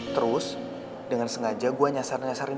terus dengan sengaja gua nyasarin wulan